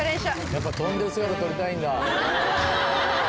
やっぱ飛んでる姿撮りたいんだ。